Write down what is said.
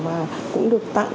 và cũng được tặng